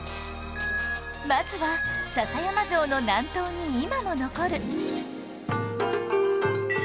まずは篠山城の南東に今も残る